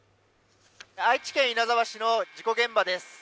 愛知県稲沢市の事故現場です。